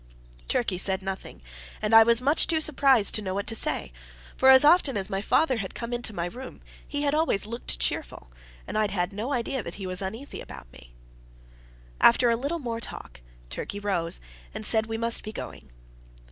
Turkey said nothing, and I was too much surprised to know what to say; for as often as my father had come into my room, he had always looked cheerful, and I had had no idea that he was uneasy about me. After a little more talk, Turkey rose, and said we must be going.